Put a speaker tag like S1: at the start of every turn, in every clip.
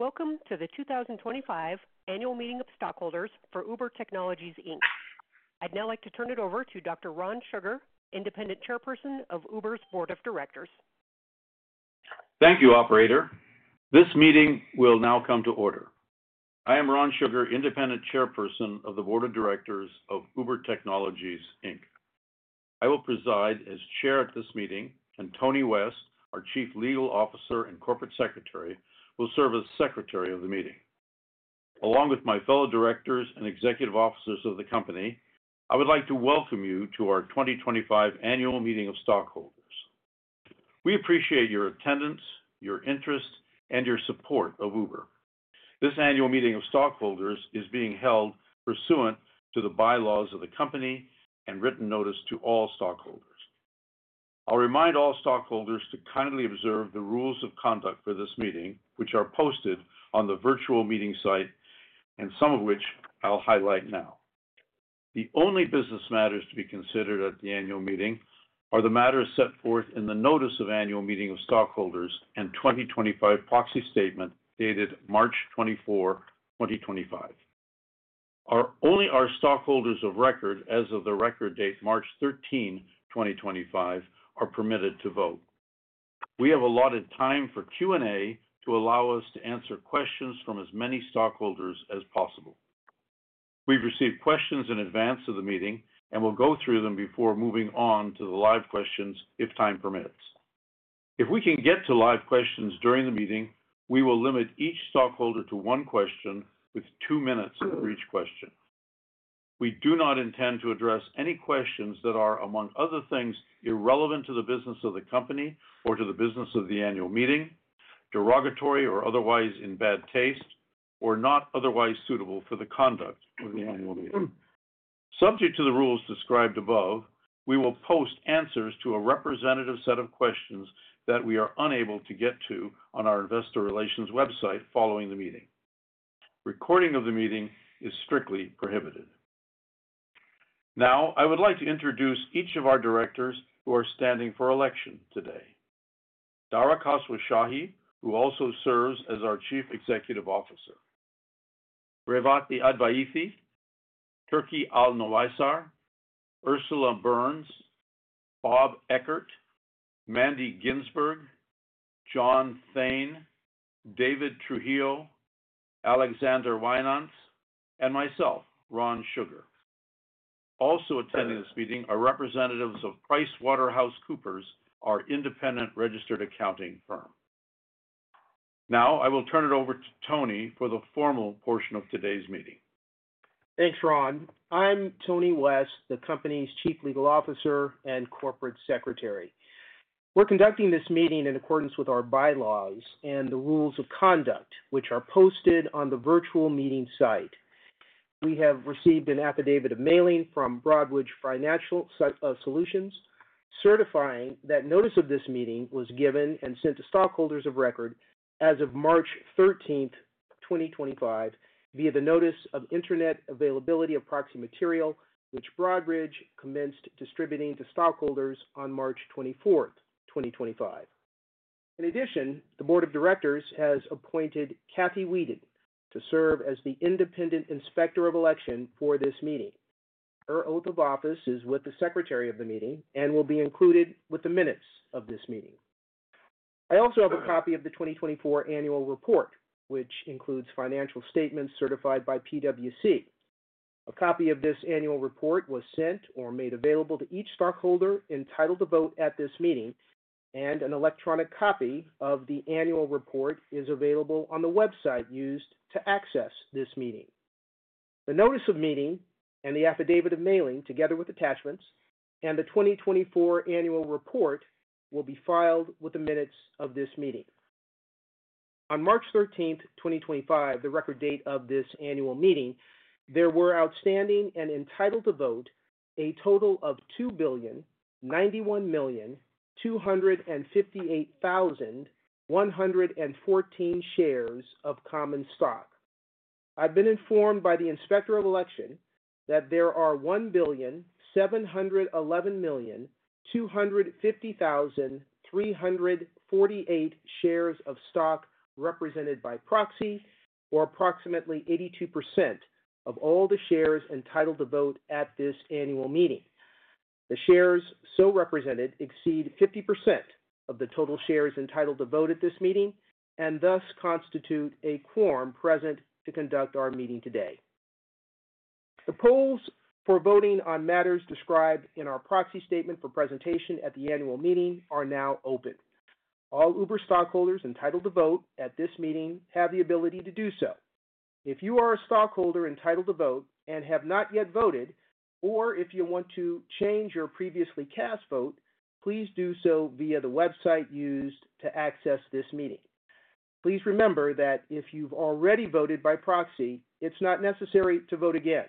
S1: Welcome to the 2025 Annual Meeting of Stockholders for Uber Technologies. I'd now like to turn it over to Dr. Ron Sugar, Independent Chairperson of Uber's Board of Directors.
S2: Thank you, Operator. This meeting will now come to order. I am Ron Sugar, Independent Chairperson of the Board of Directors of Uber Technologies. I will preside as Chair at this meeting, and Tony West, our Chief Legal Officer and Corporate Secretary, will serve as Secretary of the meeting. Along with my fellow directors and executive officers of the company, I would like to welcome you to our 2025 Annual Meeting of Stockholders. We appreciate your attendance, your interest, and your support of Uber. This Annual Meeting of Stockholders is being held pursuant to the bylaws of the company and written notice to all stockholders. I'll remind all stockholders to kindly observe the rules of conduct for this meeting, which are posted on the virtual meeting site and some of which I'll highlight now. The only business matters to be considered at the Annual Meeting are the matters set forth in the Notice of Annual Meeting of Stockholders and 2025 Proxy Statement dated 24 March 2025. Only our stockholders of record, as of the record date 13 March 2025, are permitted to vote. We have allotted time for Q&A to allow us to answer questions from as many stockholders as possible. We've received questions in advance of the meeting and will go through them before moving on to the live questions if time permits. If we can get to live questions during the meeting, we will limit each stockholder to one question with two minutes for each question. We do not intend to address any questions that are, among other things, irrelevant to the business of the company or to the business of the Annual Meeting, derogatory or otherwise in bad taste, or not otherwise suitable for the conduct of the Annual Meeting. Subject to the rules described above, we will post answers to a representative set of questions that we are unable to get to on our investor relations website following the meeting. Recording of the meeting is strictly prohibited. Now, I would like to introduce each of our directors who are standing for election today: Dara Khosrowshahi, who also serves as our Chief Executive Officer; Revathi Advaithi; Turqi Alnowaiser; Ursula Burns; Robert Eckert; Mandy Ginsberg; John Thain; David Trujillo; Alex Wynaendts; and myself, Ron Sugar. Also attending this meeting are representatives of PricewaterhouseCoopers, our independent registered accounting firm. Now, I will turn it over to Tony for the formal portion of today's meeting.
S3: Thanks, Ron. I'm Tony West, the company's Chief Legal Officer and Corporate Secretary. We're conducting this meeting in accordance with our bylaws and the rules of conduct, which are posted on the virtual meeting site. We have received an affidavit of mailing from Broadridge Financial Solutions certifying that notice of this meeting was given and sent to stockholders of record as of 13 March 2025, via the Notice of Internet Availability of Proxy Material, which Broadridge commenced distributing to stockholders on 24 March 2025. In addition, the Board of Directors has appointed Kathy Wieden to serve as the Independent Inspector of Election for this meeting. Her oath of office is with the secretary of the meeting and will be included with the minutes of this meeting. I also have a copy of the 2024 Annual Report, which includes financial statements certified by PwC. A copy of this Annual Report was sent or made available to each stockholder entitled to vote at this meeting, and an electronic copy of the Annual Report is available on the website used to access this meeting. The notice of meeting and the affidavit of mailing, together with attachments, and the 2024 Annual Report will be filed with the minutes of this meeting. On 13 March 2025, the record date of this Annual Meeting, there were outstanding and entitled to vote a total of 2,091,258,114 shares of common stock. I've been informed by the Inspector of Election that there are 1,711,250,348 shares of stock represented by proxy, or approximately 82% of all the shares entitled to vote at this Annual Meeting. The shares so represented exceed 50% of the total shares entitled to vote at this meeting and thus constitute a quorum present to conduct our meeting today. The polls for voting on matters described in our proxy statement for presentation at the Annual Meeting are now open. All Uber stockholders entitled to vote at this meeting have the ability to do so. If you are a stockholder entitled to vote and have not yet voted, or if you want to change your previously cast vote, please do so via the website used to access this meeting. Please remember that if you've already voted by proxy, it's not necessary to vote again.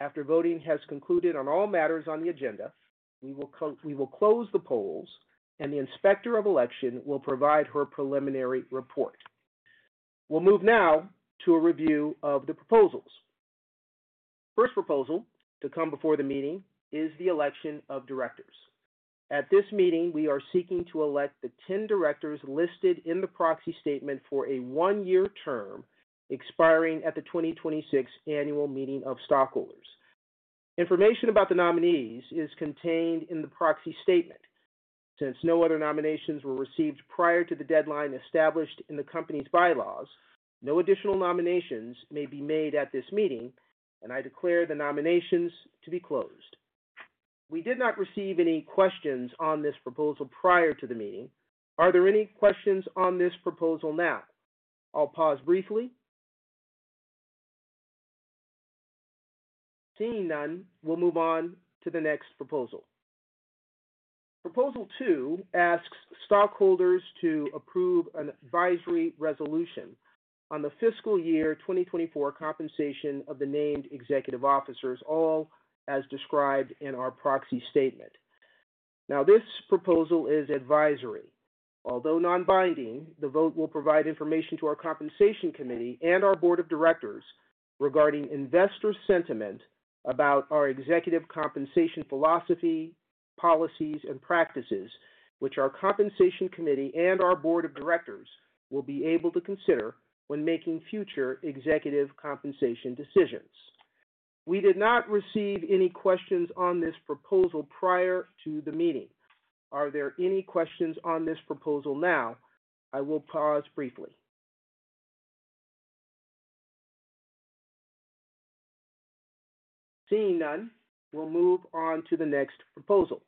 S3: After voting has concluded on all matters on the agenda, we will close the polls, and the Inspector of Election will provide her preliminary report. We'll move now to a review of the proposals. The first proposal to come before the meeting is the election of directors. At this meeting, we are seeking to elect the 10 directors listed in the proxy statement for a one-year term expiring at the 2026 Annual Meeting of Stockholders. Information about the nominees is contained in the proxy statement. Since no other nominations were received prior to the deadline established in the company's bylaws, no additional nominations may be made at this meeting, and I declare the nominations to be closed. We did not receive any questions on this proposal prior to the meeting. Are there any questions on this proposal now? I'll pause briefly. Seeing none, we'll move on to the next proposal. Proposal 2 asks stockholders to approve an advisory resolution on the fiscal year 2024 compensation of the named executive officers, all as described in our proxy statement. Now, this proposal is advisory. Although non-binding, the vote will provide information to our Compensation Committee and our board of directors regarding investor sentiment about our executive compensation philosophy, policies, and practices, which our Compensation Committee and our Board of Directors will be able to consider when making future executive compensation decisions. We did not receive any questions on this proposal prior to the meeting. Are there any questions on this proposal now? I will pause briefly. Seeing none, we'll move on to the next proposal.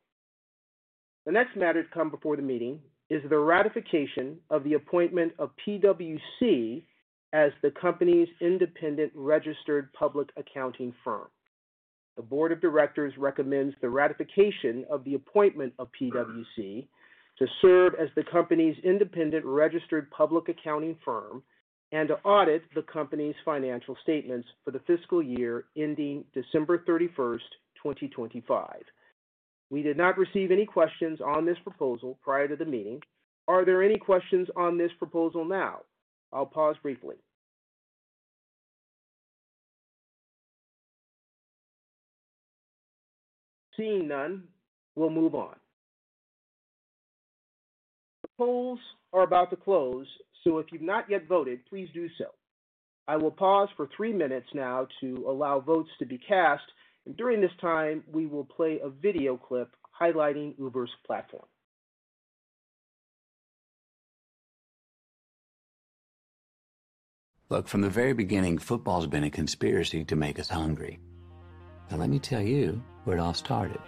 S3: The next matter to come before the meeting is the ratification of the appointment of PwC as the company's independent registered public accounting firm. The Board of Directors recommends the ratification of the appointment of PwC to serve as the company's independent registered public accounting firm and to audit the company's financial statements for the fiscal year ending 31 December 2025. We did not receive any questions on this proposal prior to the meeting. Are there any questions on this proposal now? I'll pause briefly. Seeing none, we'll move on. The polls are about to close, so if you've not yet voted, please do so. I will pause for three minutes now to allow votes to be cast, and during this time, we will play a video clip highlighting Uber's platform. Look, from the very beginning, football's been a conspiracy to make us hungry. Now, let me tell you where it all started.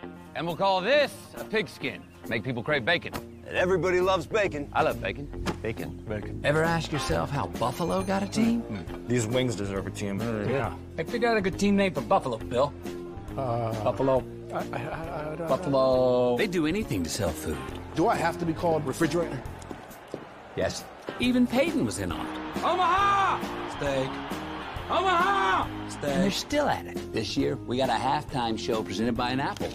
S3: We'll call this a pigskin. Make people crave bacon. Everybody loves bacon. I love bacon. Bacon. Ever ask yourself how Buffalo got a team? These wings deserve a team. Yeah. I figured out a good team name for Buffalo, Bill. Buffalo. Buffalo. They'd do anything to sell food. Do I have to be called refrigerator? Yes. Even Peyton was in on it. Omaha! Steak. Omaha! Steak. They're still at it. This year, we got a halftime show presented by an apple.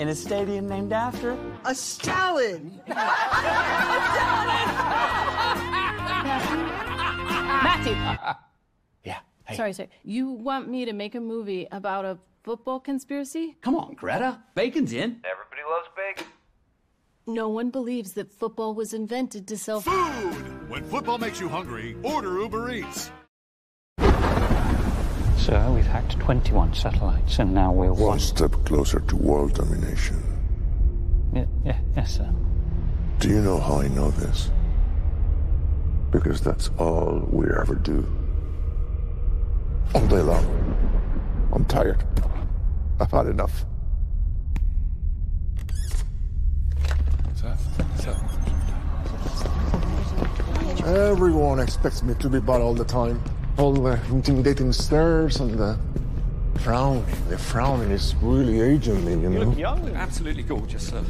S3: A stadium named after a salad. Matthew. Yeah. Sorry, sir. You want me to make a movie about a football conspiracy? Come on, Greta. Bacon's in. Everybody loves bacon. No one believes that football was invented to sell food. When football makes you hungry, order Uber Eats. Sir, we've hacked 21 satellites, and now we're one. One step closer to world domination. Yeah, yes, sir. Do you know how I know this? Because that's all we ever do. All day long. I'm tired. I've had enough. What's up? What's up? Everyone expects me to be bad all the time. All the intimidating stares and the frowning. The frowning is really aging me, you know? You look young. Absolutely gorgeous, sir.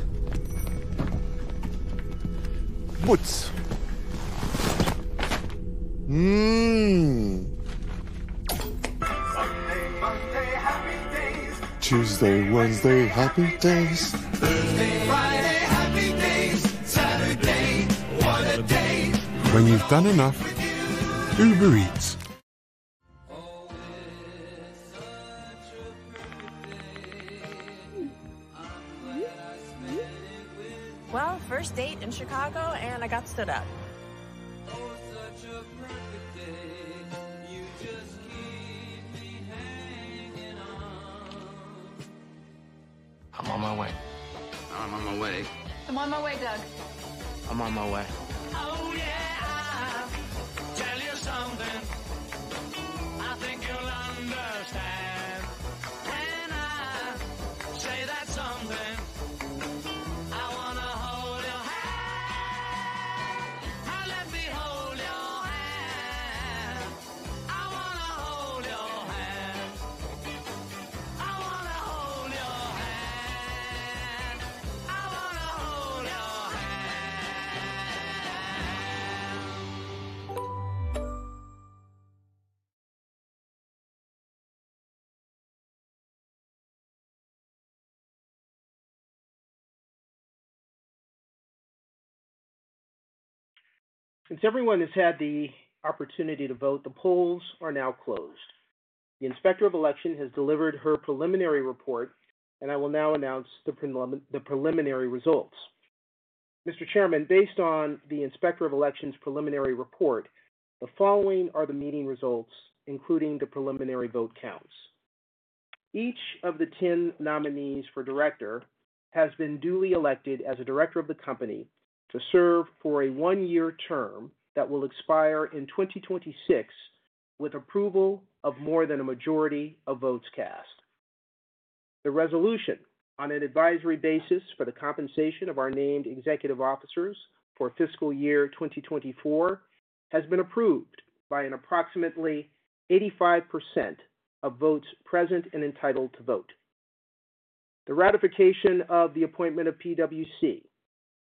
S3: Whoops. Monday, Monday, happy days. Tuesday, Wednesday, happy days. Thursday, Friday, happy days. Saturday, what a day. When you've done enough, Uber Eats. Oh, it's such a perfect day. I'm glad I spent it with. First date in Chicago, and I got stood up. Oh, such a perfect day. You just keep me hanging on. I'm on my way. I'm on my way. I'm on my way, Doug. I'm on my way. Oh, yeah, I'll tell you something. I think you'll understand when I say that something. I want to hold your hand. Now, let me hold your hand. I want to hold your hand. I want to hold your hand. I want to hold your hand. Since everyone has had the opportunity to vote, the polls are now closed. The Inspector of Election has delivered her preliminary report, and I will now announce the preliminary results. Mr. Chairman, based on the Inspector of Election's preliminary report, the following are the meeting results, including the preliminary vote counts. Each of the 10 nominees for director has been duly elected as a director of the company to serve for a one-year term that will expire in 2026 with approval of more than a majority of votes cast. The resolution on an advisory basis for the compensation of our named executive officers for fiscal year 2024 has been approved by approximately 85% of votes present and entitled to vote. The ratification of the appointment of PwC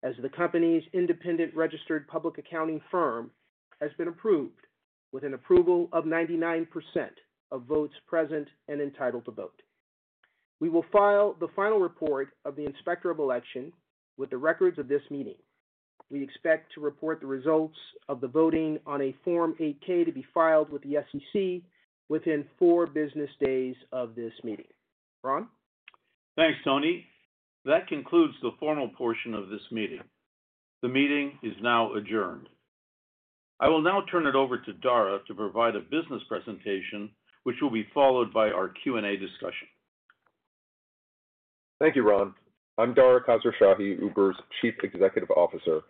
S3: as the company's independent registered public accounting firm has been approved with an approval of 99% of votes present and entitled to vote. We will file the final report of the Inspector of Election with the records of this meeting. We expect to report the results of the voting on a Form 8-K to be filed with the SEC within four business days of this meeting. Ron?
S2: Thanks, Tony. That concludes the formal portion of this meeting. The meeting is now adjourned. I will now turn it over to Dara to provide a business presentation, which will be followed by our Q&A discussion.
S4: Thank you, Ron. I'm Dara Khosrowshahi, Uber's Chief Executive Officer.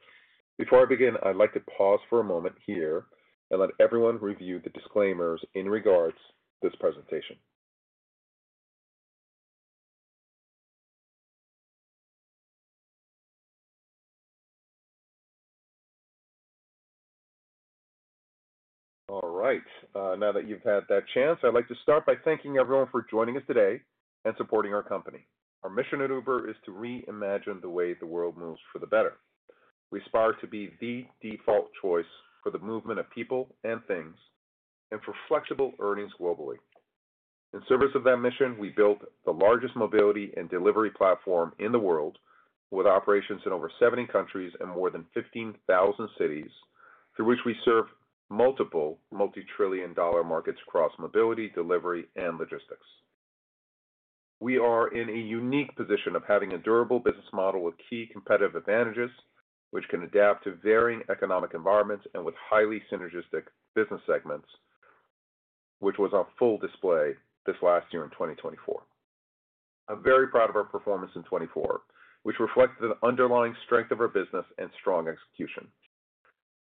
S4: Before I begin, I'd like to pause for a moment here and let everyone review the disclaimers in regards to this presentation. All right. Now that you've had that chance, I'd like to start by thanking everyone for joining us today and supporting our company. Our mission at Uber is to reimagine the way the world moves for the better. We aspire to be the default choice for the movement of people and things and for flexible earnings globally. In service of that mission, we built the largest mobility and delivery platform in the world with operations in over 70 countries and more than 15,000 cities, through which we serve multiple multi-trillion-dollar markets across mobility, delivery, and logistics. We are in a unique position of having a durable business model with key competitive advantages, which can adapt to varying economic environments and with highly synergistic business segments, which was on full display this last year in 2024. I'm very proud of our performance in 2024, which reflected the underlying strength of our business and strong execution.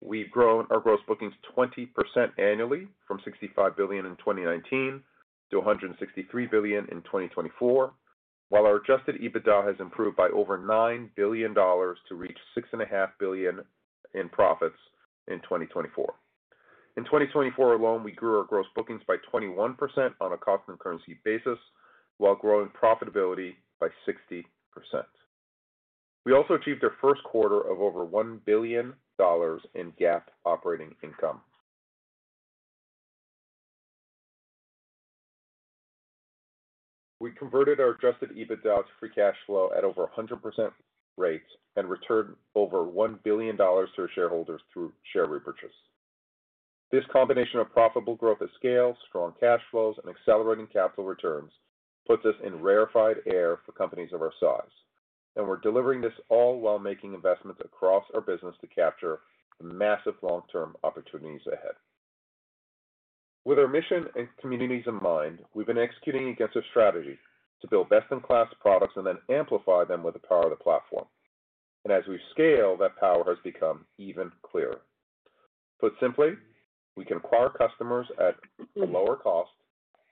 S4: We've grown our gross bookings 20% annually from $65 billion in 2019 to $163 billion in 2024, while our adjusted EBITDA has improved by over $9 billion to reach $6.5 billion in profits in 2024. In 2024 alone, we grew our gross bookings by 21% on a constant currency basis, while growing profitability by 60%. We also achieved our first quarter of over $1 billion in GAAP operating income. We converted our adjusted EBITDA to free cash flow at over 100% rates and returned over $1 billion to our shareholders through share repurchase. This combination of profitable growth at scale, strong cash flows, and accelerating capital returns puts us in rarefied air for companies of our size. We are delivering this all while making investments across our business to capture massive long-term opportunities ahead. With our mission and communities in mind, we have been executing against our strategy to build best-in-class products and then amplify them with the power of the platform. As we scale, that power has become even clearer. Put simply, we can acquire customers at a lower cost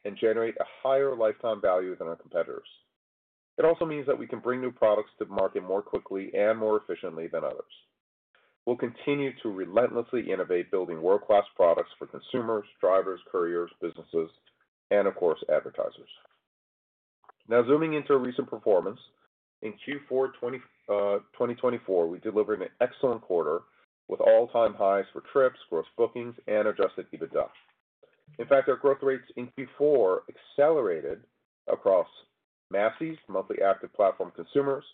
S4: and generate a higher lifetime value than our competitors. It also means that we can bring new products to the market more quickly and more efficiently than others. We'll continue to relentlessly innovate, building world-class products for consumers, drivers, couriers, businesses, and, of course, advertisers. Now, zooming into our recent performance, in Q4 2024, we delivered an excellent quarter with all-time highs for trips, gross bookings, and adjusted EBITDA. In fact, our growth rates in Q4 accelerated across massive monthly active platform consumers,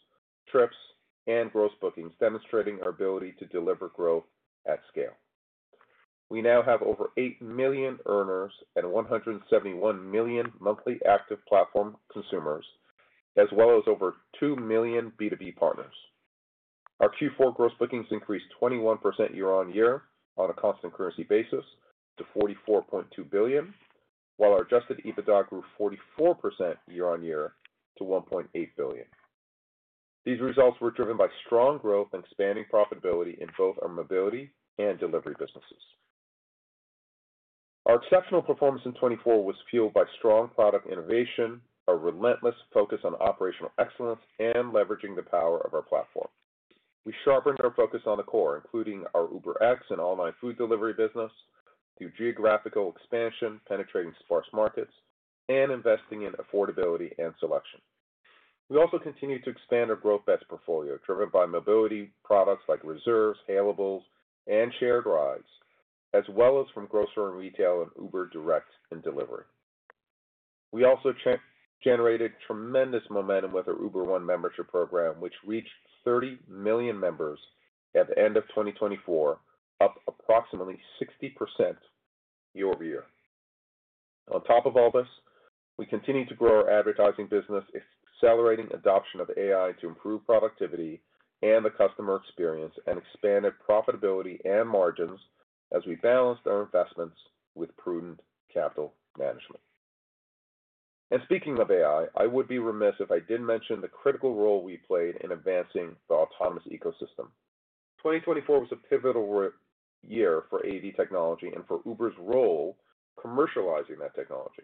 S4: trips, and gross bookings, demonstrating our ability to deliver growth at scale. We now have over 8 million earners and 171 million monthly active platform consumers, as well as over 2 million B2B partners. Our Q4 gross bookings increased 21% year-on-year on a cost and currency basis to $44.2 billion, while our adjusted EBITDA grew 44% year-on-year to $1.8 billion. These results were driven by strong growth and expanding profitability in both our mobility and delivery businesses. Our exceptional performance in 2024 was fueled by strong product innovation, a relentless focus on operational excellence, and leveraging the power of our platform. We sharpened our focus on the core, including our UberX and online food delivery business, through geographical expansion, penetrating sparse markets, and investing in affordability and selection. We also continue to expand our growth-best portfolio, driven by mobility products like Reserves, Hailables, and Shared Rides, as well as from grocery retail and Uber Direct and Delivery. We also generated tremendous momentum with our Uber One membership program, which reached 30 million members at the end of 2024, up approximately 60% year-over-year. On top of all this, we continue to grow our advertising business, accelerating adoption of AI to improve productivity and the customer experience, and expanded profitability and margins as we balanced our investments with prudent capital management. And speaking of AI, I would be remiss if I didn't mention the critical role we played in advancing the autonomous ecosystem. 2024 was a pivotal year for AV technology and for Uber's role commercializing that technology.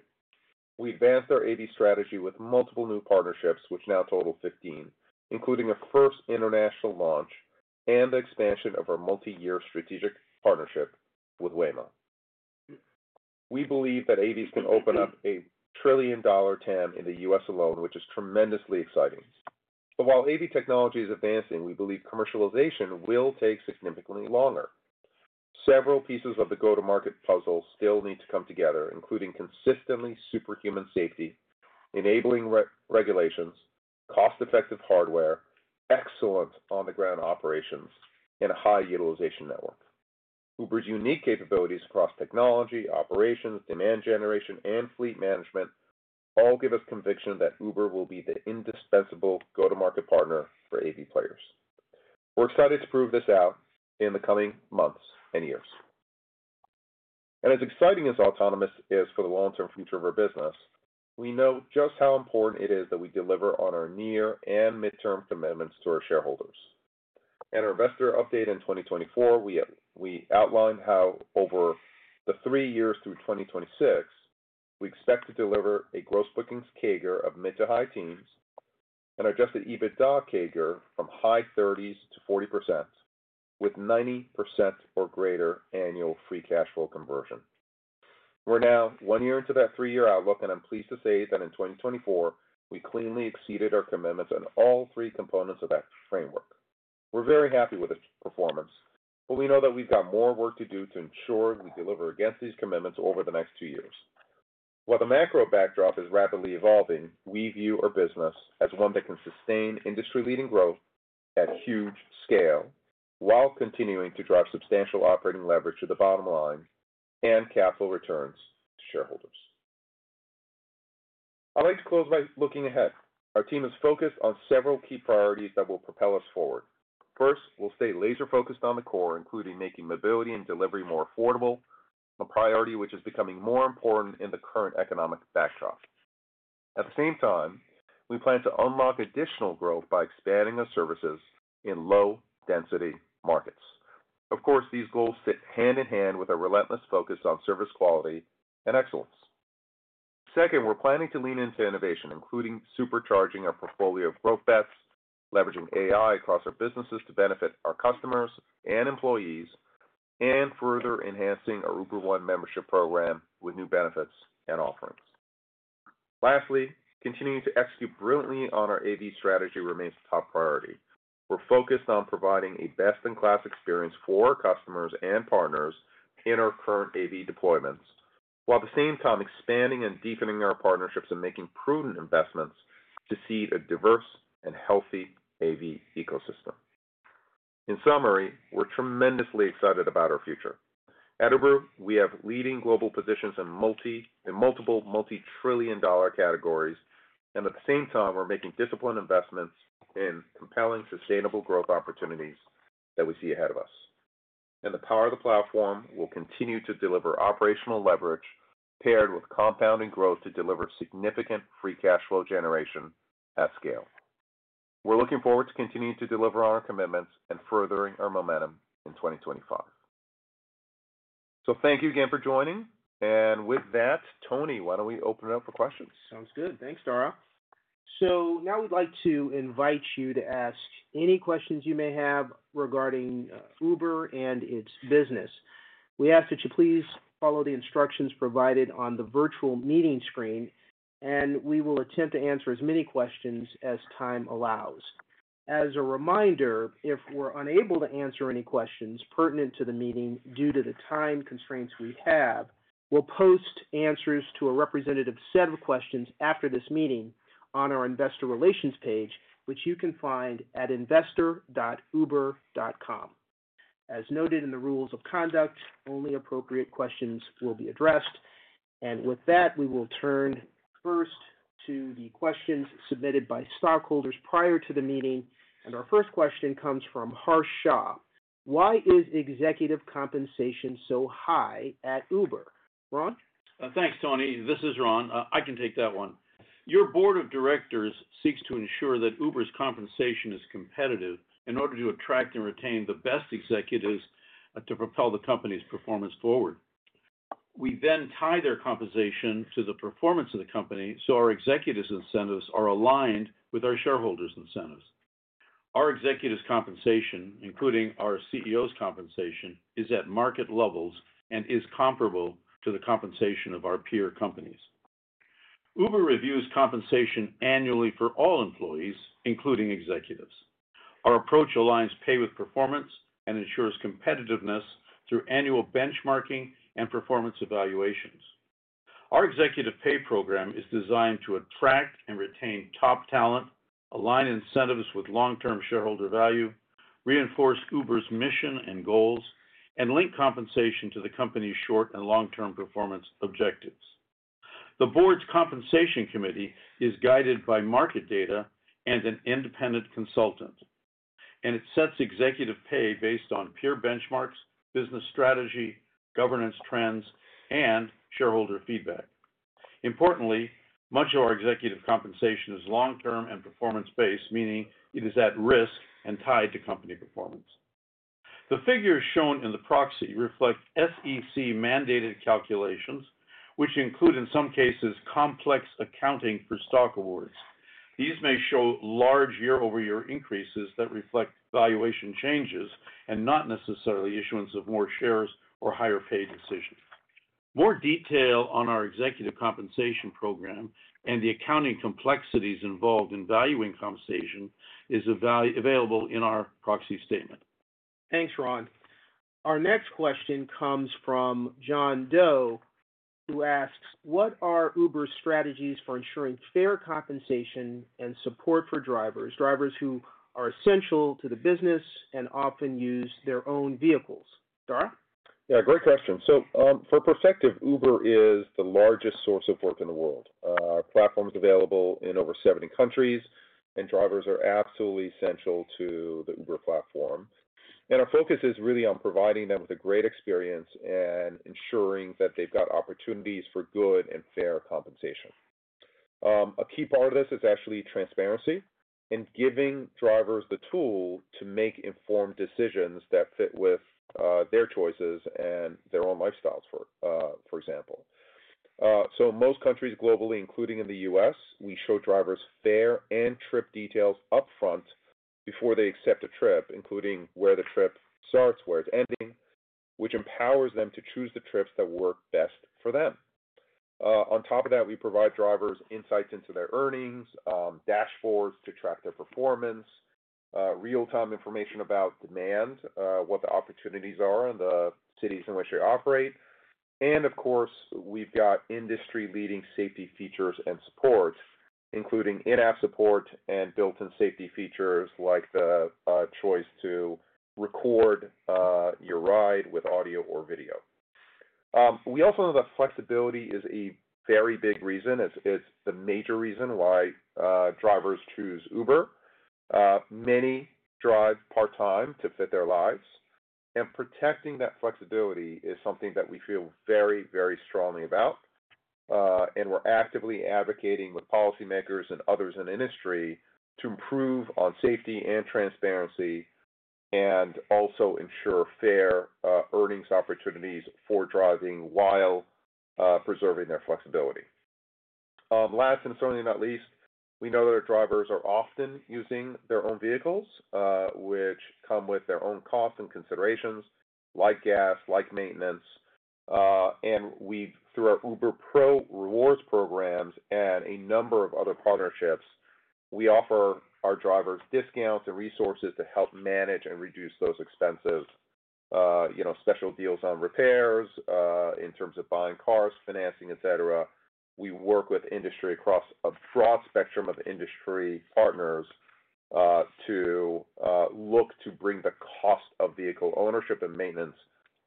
S4: We advanced our AV strategy with multiple new partnerships, which now total 15, including a first international launch and the expansion of our multi-year strategic partnership with Waymo. We believe that AVs can open up a trillion-dollar TAM in the US alone, which is tremendously exciting. While AV technology is advancing, we believe commercialization will take significantly longer. Several pieces of the go-to-market puzzle still need to come together, including consistently superhuman safety, enabling regulations, cost-effective hardware, excellent on-the-ground operations, and a high utilization network. Uber's unique capabilities across technology, operations, demand generation, and fleet management all give us conviction that Uber will be the indispensable go-to-market partner for AV players. We're excited to prove this out in the coming months and years. As exciting as autonomous is for the long-term future of our business, we know just how important it is that we deliver on our near and midterm commitments to our shareholders. At our investor update in 2024, we outlined how over the three years through 2026, we expect to deliver a gross bookings CAGR of mid to high teens and adjusted EBITDA CAGR from high 30s to 40% with 90% or greater annual free cash flow conversion. We're now one year into that three-year outlook, and I'm pleased to say that in 2024, we cleanly exceeded our commitments on all three components of that framework. We're very happy with this performance, but we know that we've got more work to do to ensure we deliver against these commitments over the next two years. While the macro backdrop is rapidly evolving, we view our business as one that can sustain industry-leading growth at huge scale while continuing to drive substantial operating leverage to the bottom line and capital returns to shareholders. I'd like to close by looking ahead. Our team is focused on several key priorities that will propel us forward. First, we'll stay laser-focused on the core, including making mobility and delivery more affordable, a priority which is becoming more important in the current economic backdrop. At the same time, we plan to unlock additional growth by expanding our services in low-density markets. Of course, these goals sit hand in hand with our relentless focus on service quality and excellence. Second, we're planning to lean into innovation, including supercharging our portfolio of growth bets, leveraging AI across our businesses to benefit our customers and employees, and further enhancing our Uber One membership program with new benefits and offerings. Lastly, continuing to execute brilliantly on our AV strategy remains a top priority. We're focused on providing a best-in-class experience for our customers and partners in our current AV deployments, while at the same time expanding and deepening our partnerships and making prudent investments to seed a diverse and healthy AV ecosystem. In summary, we're tremendously excited about our future. At Uber, we have leading global positions in multiple multi-trillion-dollar categories, and at the same time, we're making disciplined investments in compelling sustainable growth opportunities that we see ahead of us. And the power of the platform will continue to deliver operational leverage paired with compounding growth to deliver significant free cash flow generation at scale. We are looking forward to continuing to deliver on our commitments and furthering our momentum in 2025. Thank you again for joining. With that, Tony, why do we not open it up for questions?
S3: Sounds good. Thanks, Dara. So we would like to invite you to ask any questions you may have regarding Uber and its business. We ask that you please follow the instructions provided on the virtual meeting screen, and we will attempt to answer as many questions as time allows. As a reminder, if we are unable to answer any questions pertinent to the meeting due to the time constraints we have, we will post answers to a representative set of questions after this meeting on our investor relations page, which you can find at investor.uber.com. As noted in the rules of conduct, only appropriate questions will be addressed. And with that, we will turn first to the questions submitted by stockholders prior to the meeting. Our first question comes from Harsh Shah. Why is executive compensation so high at Uber? Ron?
S2: Thanks, Tony. This is Ron. I can take that one. Your board of directors seeks to ensure that Uber's compensation is competitive in order to attract and retain the best executives to propel the company's performance forward. We then tie their compensation to the performance of the company so our executives' incentives are aligned with our shareholders' incentives. Our executives' compensation, including our CEO's compensation, is at market levels and is comparable to the compensation of our peer companies. Uber reviews compensation annually for all employees, including executives. Our approach aligns pay with performance and ensures competitiveness through annual benchmarking and performance evaluations. Our executive pay program is designed to attract and retain top talent, align incentives with long-term shareholder value, reinforce Uber's mission and goals, and link compensation to the company's short and long-term performance objectives. The board's compensation committee is guided by market data and an independent consultant, and it sets executive pay based on peer benchmarks, business strategy, governance trends, and shareholder feedback. Importantly, much of our executive compensation is long-term and performance-based, meaning it is at risk and tied to company performance. The figures shown in the proxy reflect SEC-mandated calculations, which include, in some cases, complex accounting for stock awards. These may show large year-over-year increases that reflect valuation changes and not necessarily issuance of more shares or higher pay decisions. More detail on our executive compensation program and the accounting complexities involved in valuing compensation is available in our proxy statement.
S3: Thanks, Ron. Our next question comes from John Doe, who asks, "What are Uber's strategies for ensuring fair compensation and support for drivers, drivers who are essential to the business and often use their own vehicles?" Dara?
S4: Yeah, great question. For perspective, Uber is the largest source of work in the world. Our platform is available in over 70 countries, and drivers are absolutely essential to the Uber platform. Our focus is really on providing them with a great experience and ensuring that they've got opportunities for good and fair compensation. A key part of this is actually transparency and giving drivers the tool to make informed decisions that fit with their choices and their own lifestyles, for example. In most countries globally, including in the US, we show drivers fare and trip details upfront before they accept a trip, including where the trip starts, where it's ending, which empowers them to choose the trips that work best for them. On top of that, we provide drivers insights into their earnings, dashboards to track their performance, real-time information about demand, what the opportunities are in the cities in which they operate. And of course we've got industry-leading safety features and support, including in-app support and built-in safety features like the choice to record your ride with audio or video. We also know that flexibility is a very big reason. It's the major reason why drivers choose Uber. Many drive part-time to fit their lives. And protecting that flexibility is something that we feel very, very strongly about. We are actively advocating with policymakers and others in the industry to improve on safety and transparency and also ensure fair earnings opportunities for driving while preserving their flexibility. Last, and certainly not least, we know that our drivers are often using their own vehicles, which come with their own costs and considerations, like gas, like maintenance. Through our Uber Pro Rewards programs and a number of other partnerships, we offer our drivers discounts and resources to help manage and reduce those expenses, special deals on repairs in terms of buying cars, financing, etc. We work with industry across a broad spectrum of industry partners to look to bring the cost of vehicle ownership and maintenance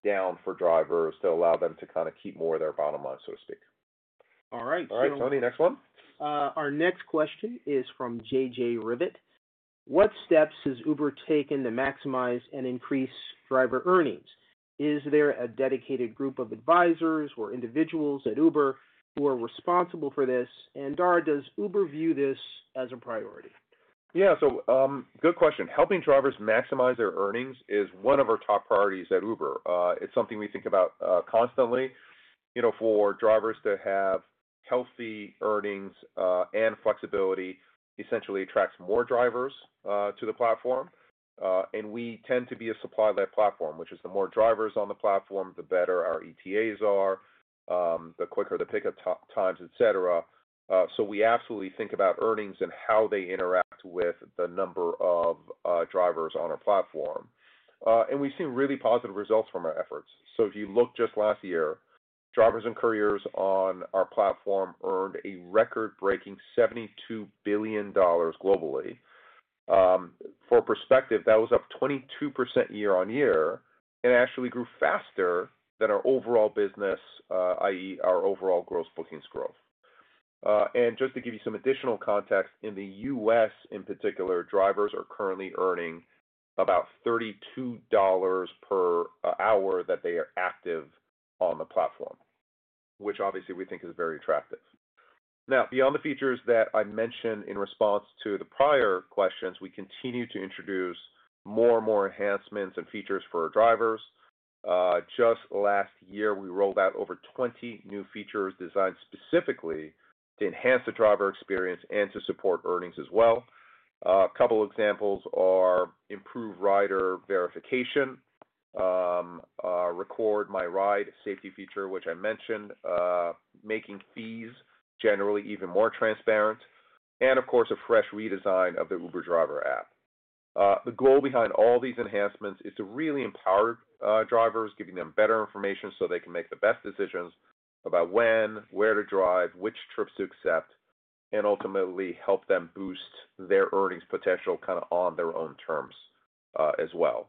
S4: down for drivers to allow them to kind of keep more of their bottom line, so to speak.
S3: All right.
S4: All right, Tony, next one.
S3: Our next question is from JJ Rivet. What steps has Uber taken to maximize and increase driver earnings? Is there a dedicated group of advisors or individuals at Uber who are responsible for this? Dara, does Uber view this as a priority?
S4: Yeah, so good question. Helping drivers maximize their earnings is one of our top priorities at Uber. It's something we think about constantly. For drivers to have healthy earnings and flexibility essentially attracts more drivers to the platform. We tend to be a supply-led platform, which is the more drivers on the platform, the better our ETAs are, the quicker the pickup times, etc. We absolutely think about earnings and how they interact with the number of drivers on our platform. We've seen really positive results from our efforts. If you look just last year, drivers and couriers on our platform earned a record-breaking $72 billion globally. For perspective, that was up 22% year-on-year, and actually grew faster than our overall business, i.e., our overall gross bookings growth. Just to give you some additional context, in the US in particular, drivers are currently earning about $32 per hour that they are active on the platform, which obviously we think is very attractive. Now, beyond the features that I mentioned in response to the prior questions, we continue to introduce more and more enhancements and features for our drivers. Just last year, we rolled out over 20 new features designed specifically to enhance the driver experience and to support earnings as well. A couple of examples are improved rider verification, Record My Ride safety feature, which I mentioned, making fees generally even more transparent, and of course, a fresh redesign of the Uber Driver app. The goal behind all these enhancements is to really empower drivers, giving them better information so they can make the best decisions about when, where to drive, which trips to accept, and ultimately help them boost their earnings potential kind of on their own terms as well.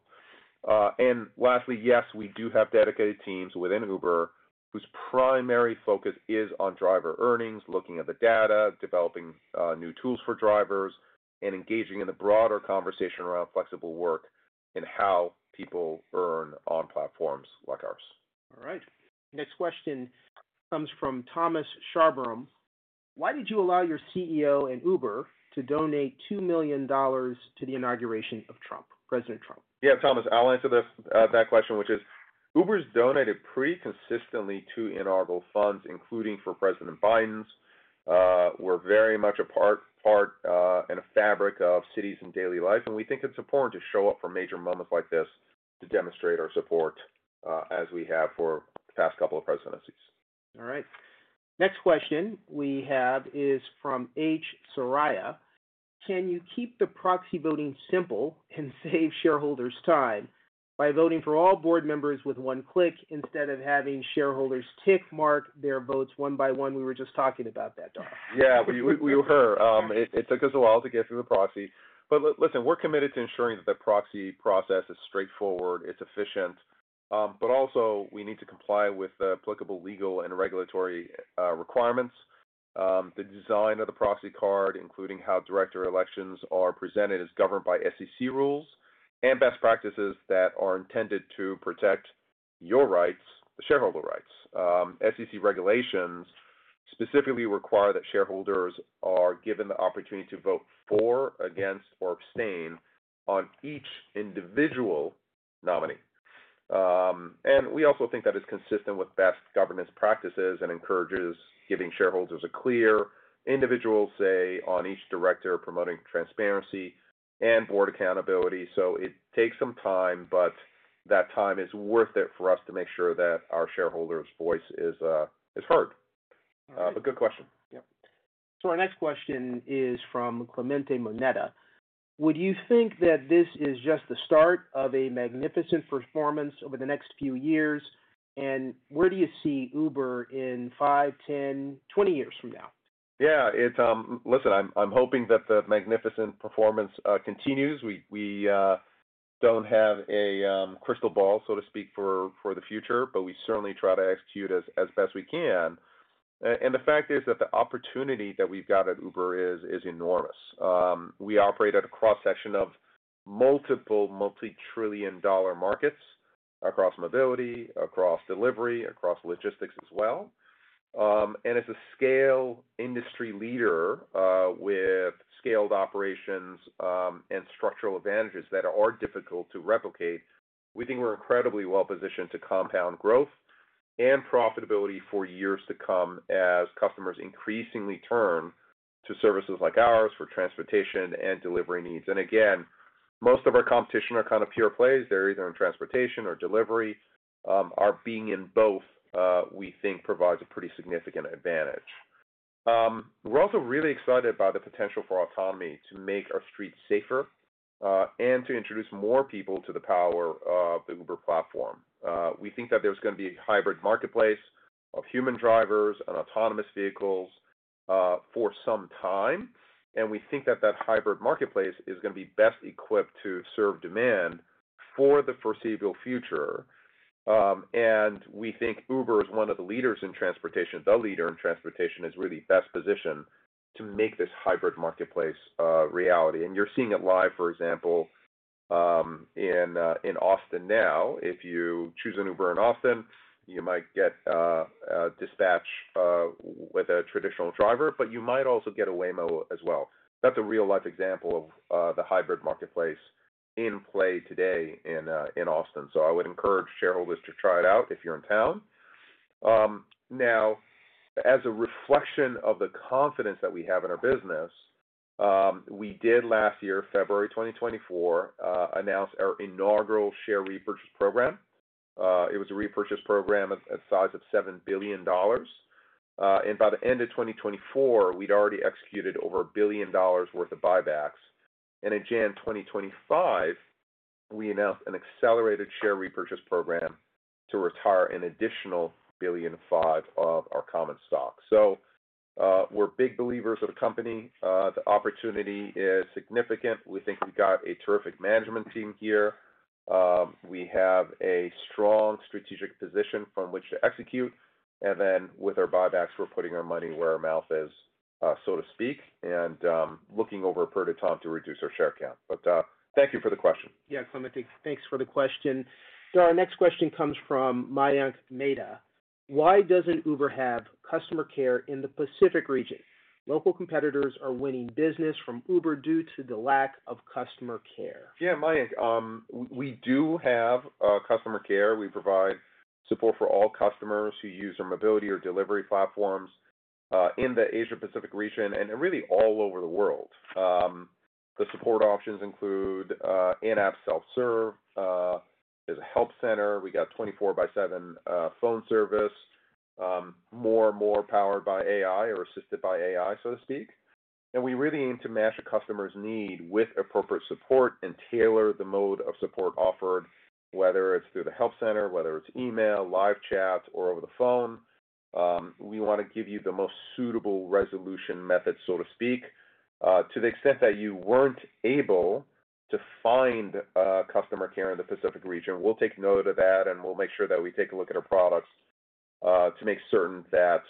S4: Lastly, yes, we do have dedicated teams within Uber whose primary focus is on driver earnings, looking at the data, developing new tools for drivers, and engaging in the broader conversation around flexible work and how people earn on platforms like ours.
S3: All right. Next question comes from Thomas Scharbrumm. Why did you allow your CEO and Uber to donate $2 million to the inauguration of President Trump?
S4: Yeah, Thomas, I'll answer that question, which is Uber's donated pretty consistently to inaugural funds, including for President Biden's. We're very much a part and a fabric of cities and daily life, and we think it's important to show up for major moments like this to demonstrate our support as we have for the past couple of presidencies.
S3: All right. Next question we have is from H Saraya. "Can you keep the proxy voting simple and save shareholders' time by voting for all board members with one click instead of having shareholders tick mark their votes one by one?" We were just talking about that, Dara.
S4: Yeah, we were here. It took us a while to get through the proxy. Listen, we're committed to ensuring that the proxy process is straightforward, it's efficient, but also we need to comply with the applicable legal and regulatory requirements. The design of the proxy card, including how director elections are presented, is governed by SEC rules and best practices that are intended to protect your rights, the shareholder rights. SEC regulations specifically require that shareholders are given the opportunity to vote for, against, or abstain on each individual nominee. We also think that is consistent with best governance practices and encourages giving shareholders a clear individual say on each director, promoting transparency and board accountability. So it takes some time, but that time is worth it for us to make sure that our shareholders' voice is heard. Good question.
S3: Yep. Our next question is from Clementi Moneta. "Would you think that this is just the start of a magnificent performance over the next few years? And where do you see Uber in 5, 10, 20 years from now?
S4: Yeah. Listen, I'm hoping that the magnificent performance continues. We don't have a crystal ball, so to speak, for the future, but we certainly try to execute as best we can. The fact is that the opportunity that we've got at Uber is enormous. We operate at a cross-section of multiple multi-trillion dollar markets across mobility, across delivery, across logistics as well. As a scale industry leader with scaled operations and structural advantages that are difficult to replicate, we think we're incredibly well positioned to compound growth and profitability for years to come as customers increasingly turn to services like ours for transportation and delivery needs. Most of our competition are kind of pure plays. They're either in transportation or delivery. Our being in both, we think, provides a pretty significant advantage. We're also really excited about the potential for autonomy to make our streets safer and to introduce more people to the power of the Uber platform. We think that there's going to be a hybrid marketplace of human drivers and autonomous vehicles for some time. We think that that hybrid marketplace is going to be best equipped to serve demand for the foreseeable future. We think Uber is one of the leaders in transportation, the leader in transportation, is really best positioned to make this hybrid marketplace reality and you're seeing it live, for example, in Austin now. If you choose an Uber in Austin, you might get a dispatch with a traditional driver, but you might also get a Waymo as well. That's a real-life example of the hybrid marketplace in play today in Austin. So I would encourage shareholders to try it out if you're in town. Now, as a reflection of the confidence that we have in our business, we did last year, February 2024, announce our inaugural share repurchase program. It was a repurchase program at a size of $7 billion. By the end of 2024, we'd already executed over $1 billion worth of buybacks. In January 2025, we announced an accelerated share repurchase program to retire an additional $1.5 billion of our common stock. So we're big believers of the company. The opportunity is significant. We think we've got a terrific management team here. We have a strong strategic position from which to execute. With our buybacks, we're putting our money where our mouth is, so to speak, and looking over a period of time to reduce our share count. Thank you for the question.
S3: Yeah, Clementi, thanks for the question. Dara, our next question comes from Mayank Meda. "Why doesn't Uber have customer care in the Pacific region? Local competitors are winning business from Uber due to the lack of customer care.
S4: Yeah, Mayank, we do have customer care. We provide support for all customers who use our mobility or delivery platforms in the Asia-Pacific region and really all over the world. The support options include in-app self-serve. There is a help center. We have 24 by 7 phone service, more and more powered by AI or assisted by AI, so to speak. We really aim to match a customer's need with appropriate support and tailor the mode of support offered, whether it is through the help center, whether it is email, live chat, or over the phone. We want to give you the most suitable resolution method, so to speak. To the extent that you weren't able to find customer care in the Pacific region, we'll take note of that, and we'll make sure that we take a look at our products to make certain that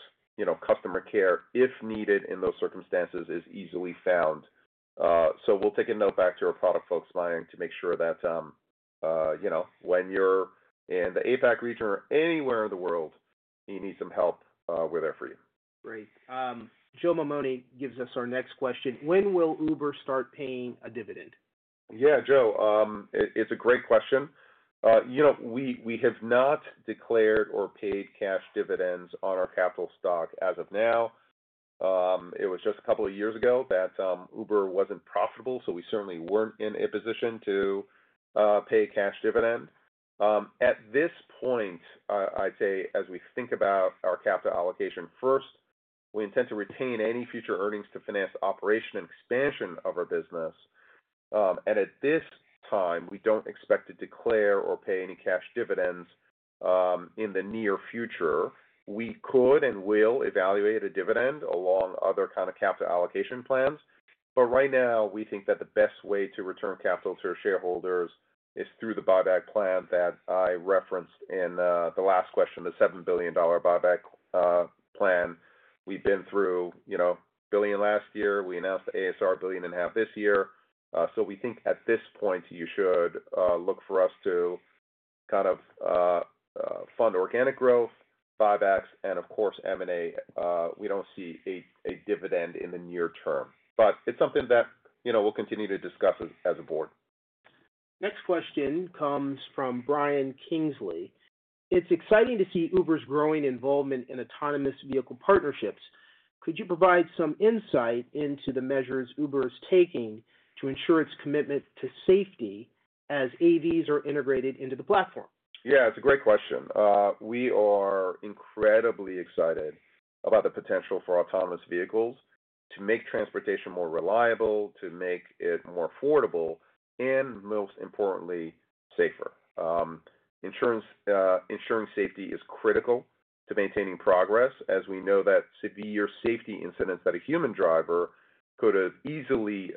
S4: customer care, if needed in those circumstances, is easily found. We'll take a note back to our product folks, Mayank, to make sure that when you're in the APAC region or anywhere in the world, you need some help, we're there for you.
S3: Great. Joe Mamone gives us our next question. "When will Uber start paying a dividend?
S4: Yeah, Joe, it's a great question. We have not declared or paid cash dividends on our capital stock as of now. It was just a couple of years ago that Uber wasn't profitable, so we certainly weren't in a position to pay a cash dividend. At this point, I'd say, as we think about our capital allocation first, we intend to retain any future earnings to finance operation and expansion of our business. At this time, we don't expect to declare or pay any cash dividends in the near future. We could and will evaluate a dividend along other kind of capital allocation plans. Right now, we think that the best way to return capital to our shareholders is through the buyback plan that I referenced in the last question, the $7 billion buyback plan. We've been through $1 billion last year. We announced the ASR $1.5 billion this year. We think at this point, you should look for us to kind of fund organic growth, buybacks, and of course, M&A. We do not see a dividend in the near term, but it is something that we will continue to discuss as a board.
S3: Next question comes from Brian Kingsley. "It's exciting to see Uber's growing involvement in autonomous vehicle partnerships. Could you provide some insight into the measures Uber is taking to ensure its commitment to safety as AVs are integrated into the platform?
S4: Yeah, it's a great question. We are incredibly excited about the potential for autonomous vehicles to make transportation more reliable, to make it more affordable, and most importantly, safer. Ensuring safety is critical to maintaining progress, as we know that severe safety incidents that a human driver could have easily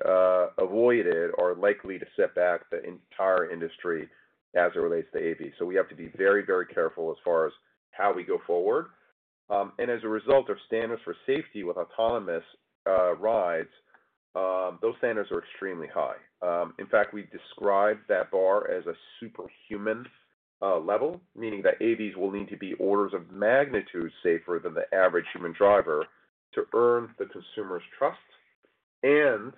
S4: avoided are likely to set back the entire industry as it relates to AV. So we have to be very, very careful as far as how we go forward. And as a result, of standards for safety with autonomous rides, those standards are extremely high. In fact, we describe that bar as a superhuman level, meaning that AVs will need to be orders of magnitude safer than the average human driver to earn the consumer's trust and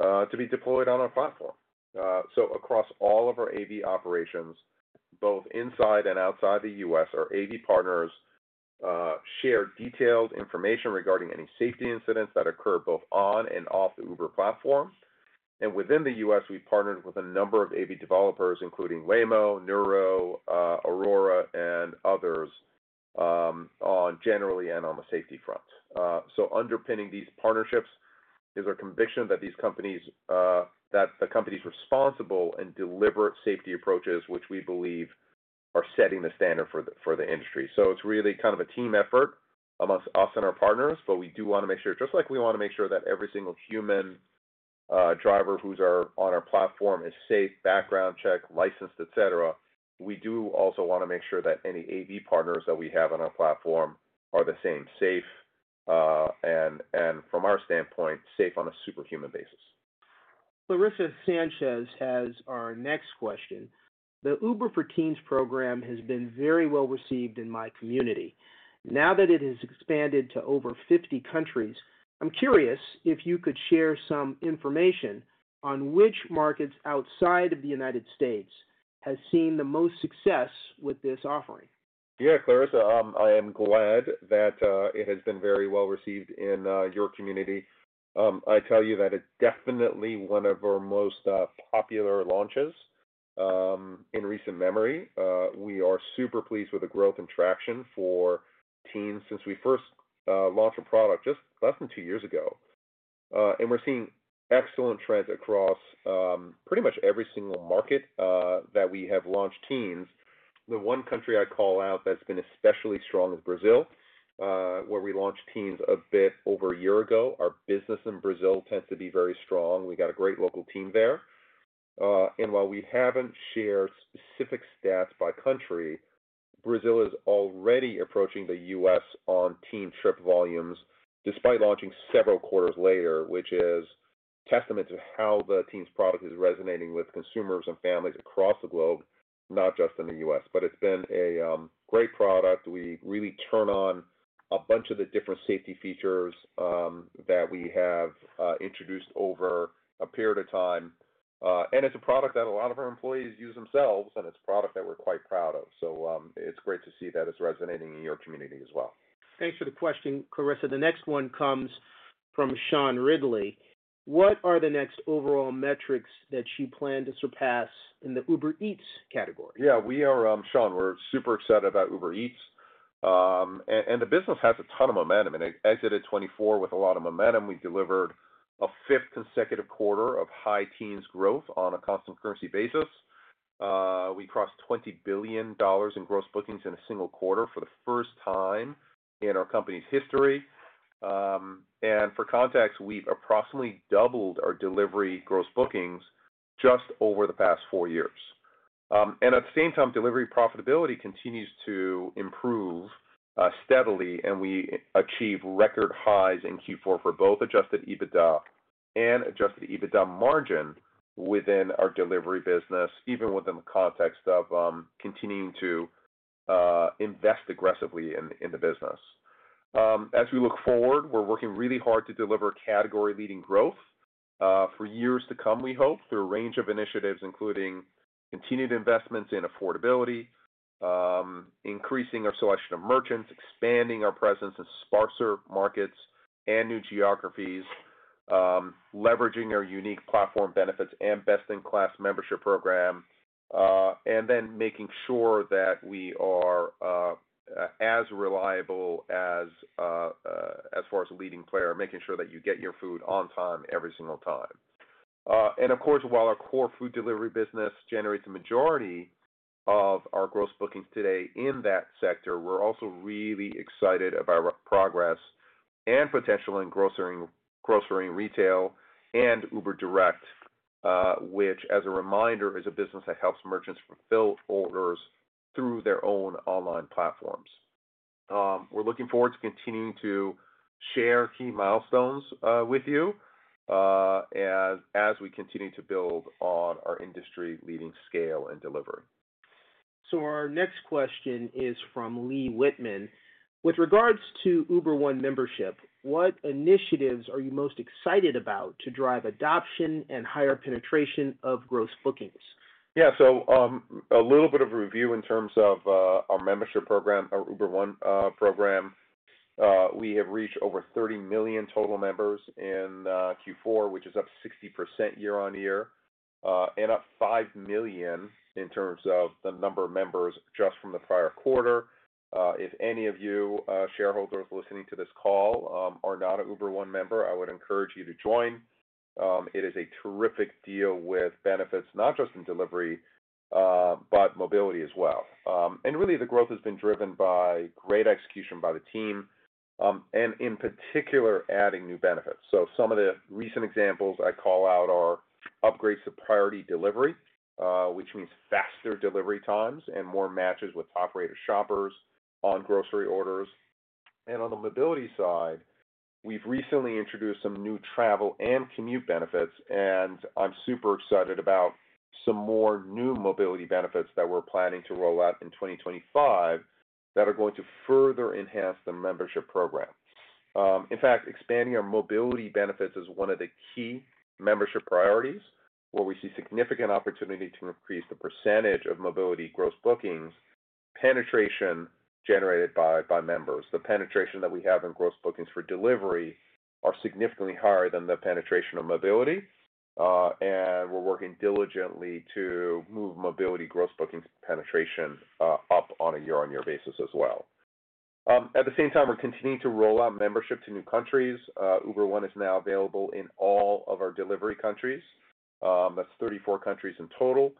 S4: to be deployed on our platform. Across all of our AV operations, both inside and outside the US, our AV partners share detailed information regarding any safety incidents that occur both on and off the Uber platform. Within the US, we've partnered with a number of AV developers, including Waymo, Nuro, Aurora, and others generally and on the safety front. Underpinning these partnerships is our conviction that these companies', that the company is responsible and deliberate safety approaches, which we believe are setting the standard for the industry. It is really kind of a team effort amongst us and our partners, but we do want to make sure, just like we want to make sure that every single human driver who's on our platform is safe, background checked, licensed, etc., we do also want to make sure that any AV partners that we have on our platform are the same, safe, and from our standpoint, safe on a superhuman basis.
S3: Larissa Sanchez has our next question. "The Uber for Teens program has been very well received in my community. Now that it has expanded to over 50 countries, I'm curious if you could share some information on which markets outside of the United States have seen the most success with this offering.
S4: Yeah, Clarissa, I am glad that it has been very well received in your community. I tell you that it's definitely one of our most popular launches in recent memory. We are super pleased with the growth and traction for Teens since we first launched a product just less than two years ago. We are seeing excellent trends across pretty much every single market that we have launched Teens. The one country I call out that's been especially strong is Brazil, where we launched Teens a bit over a year ago. Our business in Brazil tends to be very strong. We got a great local team there. While we haven't shared specific stats by country, Brazil is already approaching the US on Teen trip volumes despite launching several quarters later, which is testament to how the Teens product is resonating with consumers and families across the globe, not just in the US but it's been a great product. We really turn on a bunch of the different safety features that we have introduced over a period of time. And is a product that a lot of our employees use themselves, and it is a product that we're quite proud of. It is great to see that it is resonating in your community as well.
S3: Thanks for the question, Clarissa. The next one comes from Sean Ridley. "What are the next overall metrics that you plan to surpass in the Uber Eats category?
S4: Yeah, Sean, we're super excited about Uber Eats. The business has a ton of momentum. It exited 2024 with a lot of momentum. We delivered a fifth consecutive quarter of high teens growth on a constant currency basis. We crossed $20 billion in gross bookings in a single quarter for the first time in our company's history, and for context, we've approximately doubled our delivery gross bookings just over the past four years. At the same time, delivery profitability continues to improve steadily, and we achieved record highs in Q4 for both adjusted EBITDA and adjusted EBITDA margin within our delivery business, even within the context of continuing to invest aggressively in the business. As we look forward, we're working really hard to deliver category-leading growth for years to come, we hope, through a range of initiatives, including continued investments in affordability, increasing our selection of merchants, expanding our presence in sparser markets and new geographies, leveraging our unique platform benefits and best-in-class membership program, and then making sure that we are as reliable as far as a leading player, making sure that you get your food on time every single time. Of course, while our core food delivery business generates the majority of our gross bookings today in that sector, we're also really excited about our progress and potential in grocery and retail and Uber Direct, which, as a reminder, is a business that helps merchants fulfill orders through their own online platforms. We're looking forward to continuing to share key milestones with you as we continue to build on our industry-leading scale and delivery.
S3: Our next question is from Lee Whitman. "With regards to Uber One membership, what initiatives are you most excited about to drive adoption and higher penetration of gross bookings? Yeah, so a little bit of a review in terms of our membership program, our Uber One program. We have reached over 30 million total members in Q4, which is up 60% year-on-year, and up 5 million in terms of the number of members just from the prior quarter. If any of you shareholders listening to this call are not an Uber One member, I would encourage you to join. It is a terrific deal with benefits, not just from delivery, but mobility as well. Really, the growth has been driven by great execution by the team, and in particular, adding new benefits. Some of the recent examples I call out are upgrades to priority delivery, which means faster delivery times and more matches with top-rater shoppers on grocery orders. On the mobility side, we've recently introduced some new travel and commute benefits, and I'm super excited about some more new mobility benefits that we're planning to roll out in 2025 that are going to further enhance the membership program. In fact, expanding our mobility benefits is one of the key membership priorities where we see significant opportunity to increase the percentage of mobility gross bookings penetration generated by members. The penetration that we have in gross bookings for delivery are significantly higher than the penetration of mobility. We're working diligently to move mobility gross bookings penetration up on a year-on-year basis as well. At the same time, we're continuing to roll out membership to new countries. Uber One is now available in all of our delivery countries. That's 34 countries in total.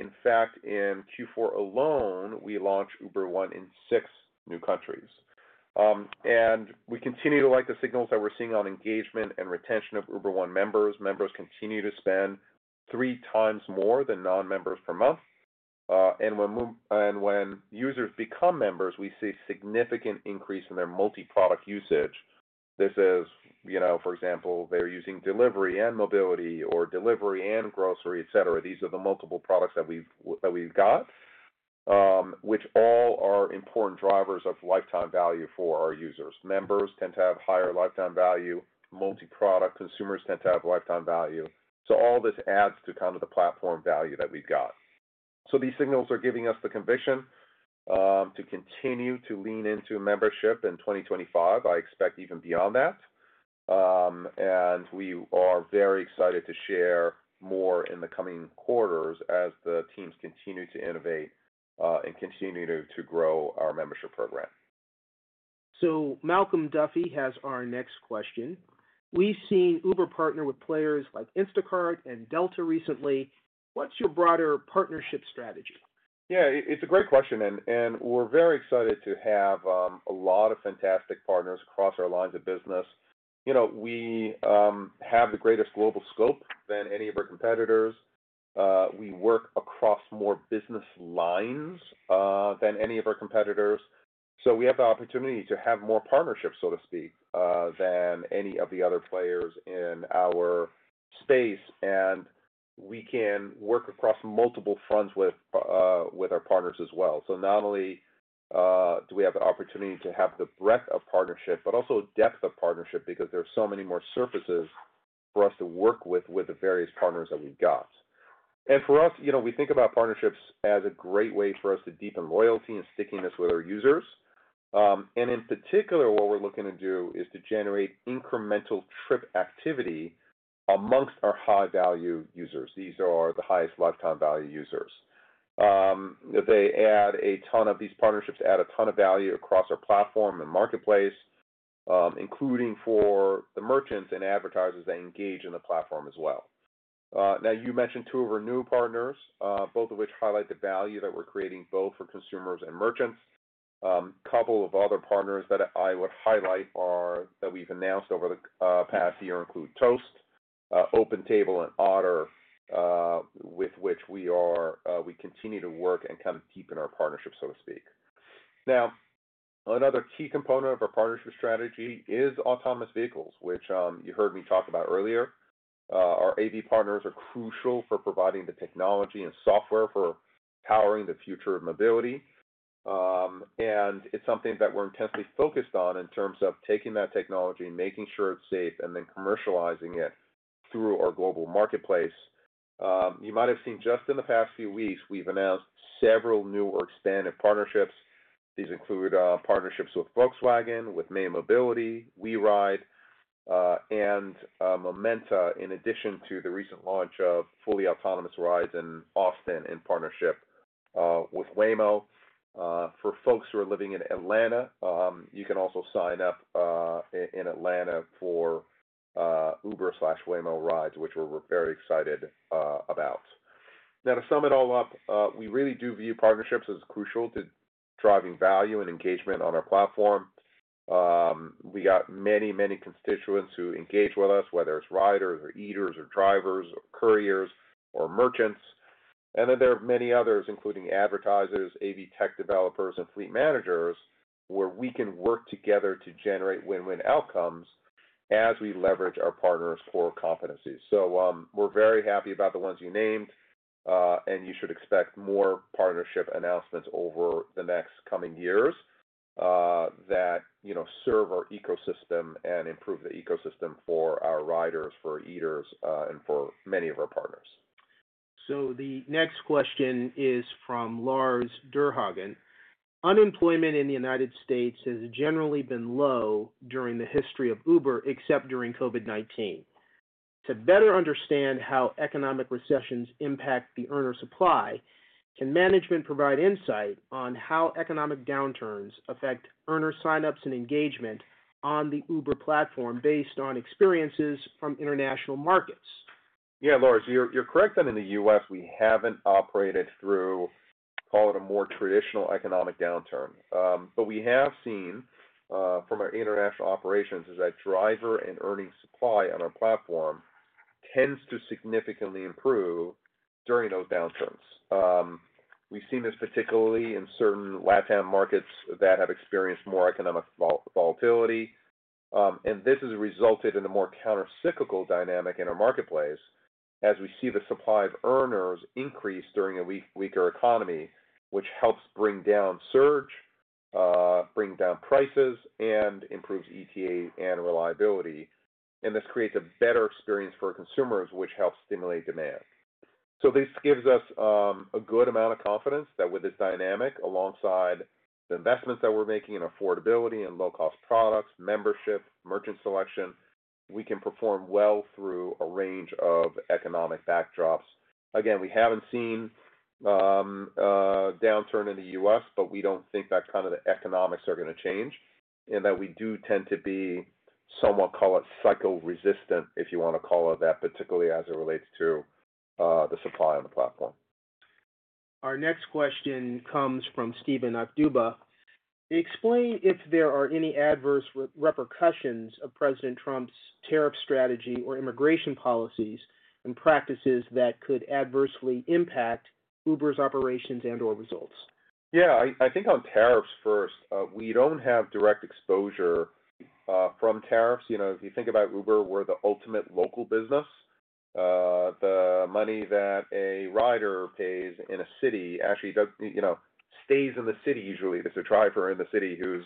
S3: In fact, in Q4 alone, we launched Uber One in six new countries. We continue to like the signals that we're seeing on engagement and retention of Uber One members. Members continue to spend three times more than non-members per month. When users become members, we see a significant increase in their multi-product usage. This is, for example, they're using delivery and mobility or delivery and grocery, etc.. These are the multiple products that we've got, which all are important drivers of lifetime value for our users. Members tend to have higher lifetime value. Multi-product consumers tend to have lifetime value. All this adds to kind of the platform value that we've got. These signals are giving us the conviction to continue to lean into membership in 2025. I expect even beyond that. We are very excited to share more in the coming quarters as the teams continue to innovate and continue to grow our membership program. Malcolm Duffy has our next question. "We've seen Uber partner with players like Instacart and Delta recently. What's your broader partnership strategy?
S4: Yeah, it's a great question. We're very excited to have a lot of fantastic partners across our lines of business. You know, we have the greatest global scope than any of our competitors. We work across more business lines than any of our competitors. So we have the opportunity to have more partnerships, so to speak, than any of the other players in our space, and we can work across multiple fronts with our partners as well. So not only do we have the opportunity to have the breadth of partnership, but also depth of partnership because there are so many more surfaces for us to work with with the various partners that we've got. For us, we think about partnerships as a great way for us to deepen loyalty and stickiness with our users. In particular, what we're looking to do is to generate incremental trip activity amongst our high-value users. These are the highest lifetime value users. They add a ton of value across our platform and marketplace, including for the merchants and advertisers that engage in the platform as well. You mentioned two of our new partners, both of which highlight the value that we're creating both for consumers and merchants. A couple of other partners that I would highlight that we've announced over the past year include Toast, OpenTable, and Otter, with which we continue to work and kind of deepen our partnership, so to speak. Now, another key component of our partnership strategy is autonomous vehicles, which you heard me talk about earlier. Our AV partners are crucial for providing the technology and software for powering the future of mobility. It's something that we're intensely focused on in terms of taking that technology and making sure it's safe and then commercializing it through our global marketplace. You might have seen just in the past few weeks, we've announced several new or expanded partnerships. These include partnerships with Volkswagen, with May Mobility, WeRide, and Momenta, in addition to the recent launch of fully autonomous rides in Austin in partnership with Waymo. For folks who are living in Atlanta, you can also sign up in Atlanta for Uber/Waymo rides, which we're very excited about. Now to sum it all up, we really do view partnerships as crucial to driving value and engagement on our platform. We got many, many constituents who engage with us, whether it's riders or eaters or drivers or couriers or merchants. And then there are many others, including advertisers, AV tech developers, and fleet managers, where we can work together to generate win-win outcomes as we leverage our partners' core competencies. We're very happy about the ones you named, and you should expect more partnership announcements over the next coming years that serve our ecosystem and improve the ecosystem for our riders, for eaters, and for many of our partners.
S3: So the next question is from Lars Derhagen. "Unemployment in the United States has generally been low during the history of Uber, except during COVID-19. To better understand how economic recessions impact the earner supply, can management provide insight on how economic downturns affect earner signups and engagement on the Uber platform based on experiences from international markets?
S4: Yeah, Lars, you're correct that in the US, we haven't operated through, call it, a more traditional economic downturn. We have seen from our international operations that driver and earning supply on our platform tends to significantly improve during those downturns. We've seen this particularly in certain LatAm markets that have experienced more economic volatility. This has resulted in a more countercyclical dynamic in our marketplace as we see the supply of earners increase during a weaker economy, which helps bring down surge, bring down prices, and improves ETA and reliability. This creates a better experience for consumers, which helps stimulate demand. This gives us a good amount of confidence that with this dynamic, alongside the investments that we're making in affordability and low-cost products, membership, merchant selection, we can perform well through a range of economic backdrops. Again, we haven't seen a downturn in the U.S., but we don't think that kind of the economics are going to change and that we do tend to be somewhat, call it cycle-resistant, if you want to call it that, particularly as it relates to the supply on the platform.
S3: Our next question comes from Stephen Aduba. "Explain if there are any adverse repercussions of President Trump's tariff strategy or immigration policies and practices that could adversely impact Uber's operations and/or results.
S4: Yeah, I think on tariffs first, we don't have direct exposure from tariffs, you know. If you think about Uber, we're the ultimate local business. The money that a rider pays in a city actually stays in the city usually. There's a driver in the city who's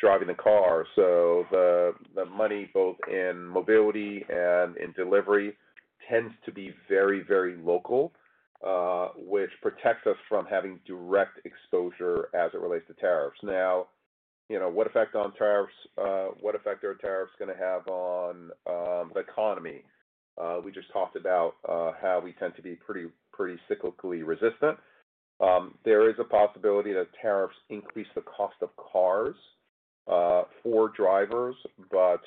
S4: driving the car. The money both in mobility and in delivery tends to be very, very local, which protects us from having direct exposure as it relates to tariffs. Now, what effect on tariffs? What effect are tariffs going to have on the economy? We just talked about how we tend to be pretty cyclically resistant. There is a possibility that tariffs increase the cost of cars for drivers, but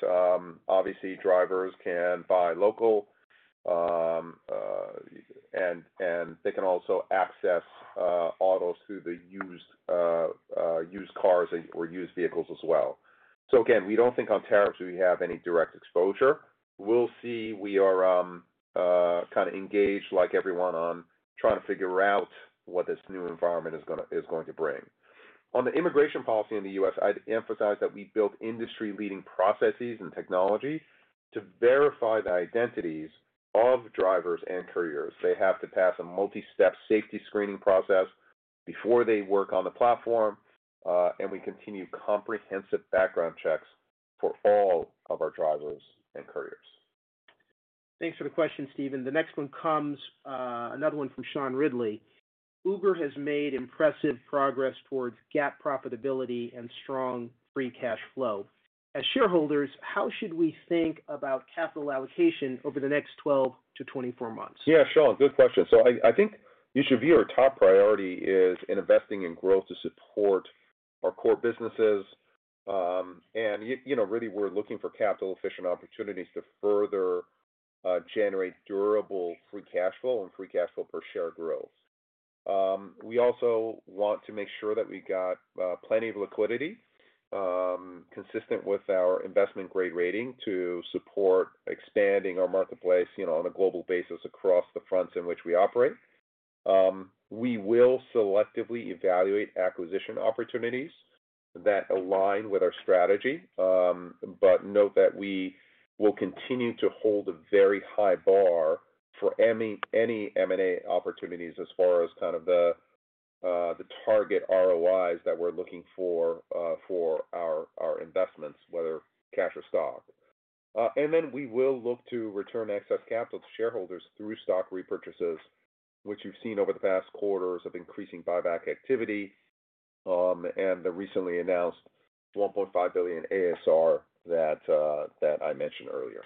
S4: obviously, drivers can buy local, and they can also access autos through the used cars or used vehicles as well. Again, we don't think on tariffs we have any direct exposure. We'll see. We are kind of engaged like everyone on trying to figure out what this new environment is going to bring. On the immigration policy in the U.S., I'd emphasize that we built industry-leading processes and technology to verify the identities of drivers and couriers. They have to pass a multi-step safety screening process before they work on the platform, and we continue comprehensive background checks for all of our drivers and couriers.
S3: Thanks for the question, Stephen. The next one comes, another one from Sean Ridley. "Uber has made impressive progress towards GAAP profitability and strong free cash flow. As shareholders, how should we think about capital allocation over the next 12 to 24 months?
S4: Yeah, Sean, good question. I think you should view our top priority as investing in growth to support our core businesses. Really, we're looking for capital-efficient opportunities to further generate durable free cash flow and free cash flow per share growth. We also want to make sure that we've got plenty of liquidity consistent with our investment-grade rating to support expanding our marketplace on a global basis across the fronts in which we operate. We will selectively evaluate acquisition opportunities that align with our strategy, but note that we will continue to hold a very high bar for any M&A opportunities as far as the target ROIs that we're looking for for our investments, whether cash or stock. We will look to return excess capital to shareholders through stock repurchases, which we've seen over the past quarters of increasing buyback activity and the recently announced $1.5 billion ASR that I mentioned earlier.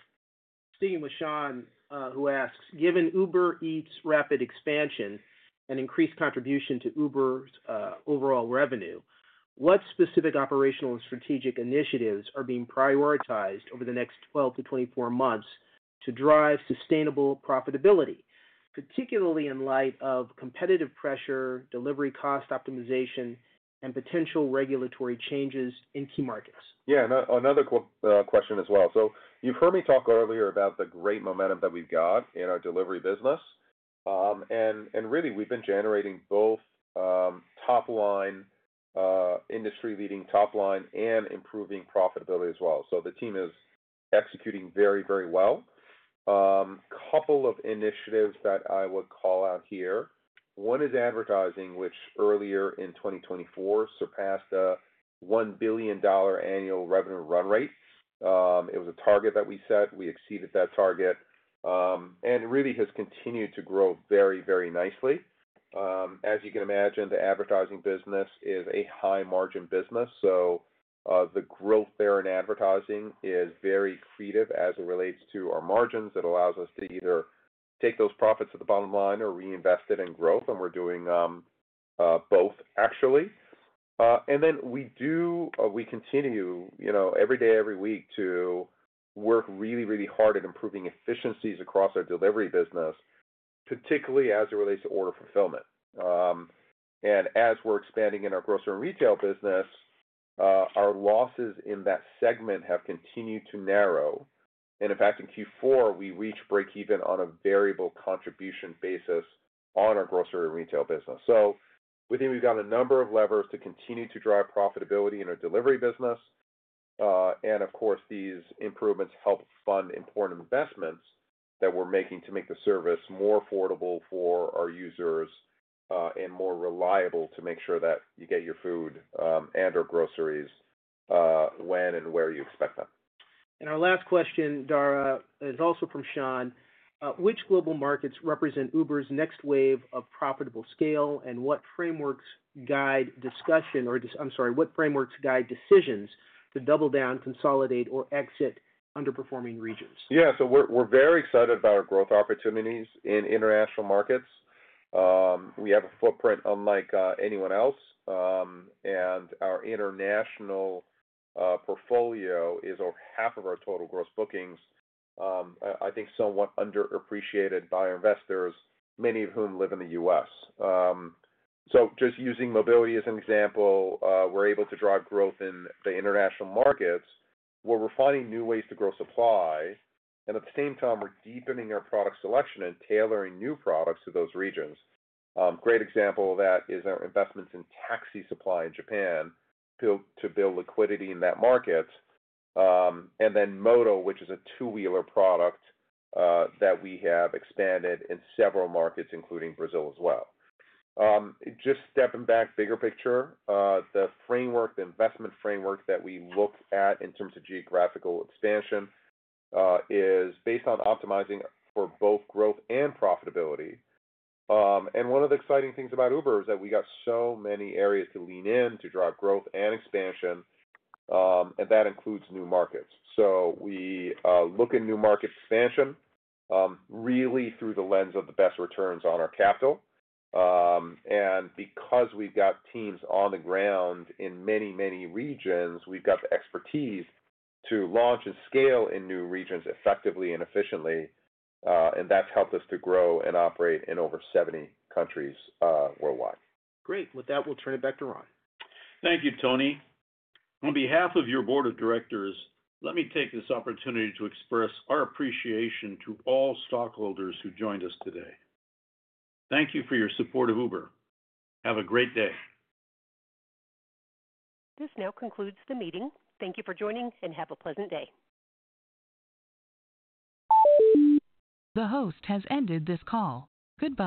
S3: Sticking with Sean, who asks, "Given Uber Eats' rapid expansion and increased contribution to Uber's overall revenue, what specific operational and strategic initiatives are being prioritized over the next 12 to 24 months to drive sustainable profitability, particularly in light of competitive pressure, delivery cost optimization, and potential regulatory changes in key markets?
S4: Yeah, another question as well. You have heard me talk earlier about the great momentum that we have got in our delivery business. And really, we've been generating both industry-leading top-line and improving profitability as well. So the team is executing very, very well. A couple of initiatives that I would call out here. One is advertising, which earlier in 2024 surpassed a $1 billion annual revenue run rate. It was a target that we set. We exceeded that target. It really has continued to grow very, very nicely. As you can imagine, the advertising business is a high-margin business. So the growth there in advertising is very accretive as it relates to our margins, it allows us to either take those profits at the bottom line or reinvest it in growth and we're doing both, actually. And then we do, we continue, you know, every day, every week to work really, really hard at improving efficiencies across our delivery business, particularly as it relates to order fulfillment. And as we're expanding in our grocery and retail business, our losses in that segment have continued to narrow. And in fact, in Q4, we reached break-even on a variable contribution basis on our grocery and retail business. So we think we've got a number of levers to continue to drive profitability in our delivery business. And of course, these improvements help fund important investments that we are making to make the service more affordable for our users and more reliable to make sure that you get your food and/or groceries when and where you expect them.
S3: Our last question, Dara, is also from Sean. "Which global markets represent Uber's next wave of profitable scale, and what frameworks guide discussion or, I'm sorry, what frameworks guide decisions to double down, consolidate, or exit underperforming regions?
S4: Yeah, so we're very excited about our growth opportunities in international markets. We have a footprint unlike anyone else. Our international portfolio is over half of our total gross bookings, I think somewhat underappreciated by investors, many of whom live in the US. So just using mobility as an example, we're able to drive growth in the international markets where we're finding new ways to grow supply. At the same time, we're deepening our product selection and tailoring new products to those regions. Great example of that is our investments in taxi supply in Japan to build liquidity in that market. Then Moto, which is a two-wheeler product that we have expanded in several markets, including Brazil as well. Just stepping back, bigger picture, the investment framework that we look at in terms of geographical expansion is based on optimizing for both growth and profitability. One of the exciting things about Uber is that we got so many areas to lean in to drive growth and expansion, and that includes new markets. We look at new market expansion really through the lens of the best returns on our capital. Because we have teams on the ground in many, many regions, we have the expertise to launch and scale in new regions effectively and efficiently. That has helped us to grow and operate in over 70 countries worldwide.
S3: Great. With that, we'll turn it back to Ron.
S2: Thank you, Tony. On behalf of your board of directors, let me take this opportunity to express our appreciation to all stockholders who joined us today. Thank you for your support of Uber. Have a great day.
S1: This now concludes the meeting. Thank you for joining, and have a pleasant day. The host has ended this call. Goodbye.